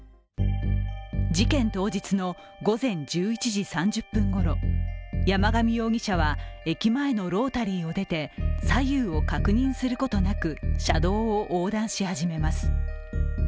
事件当日の午前１１時３０分ごろ、山上容疑者は駅前のロータリーを出て左右を確認することなく車道を横断し始めます。